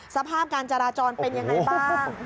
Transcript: สภาพการจราจรเป็นยังไงบ้าง